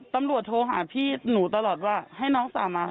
ตำรวจโทรหาพี่หนูตลอดว่าให้น้องสามารถ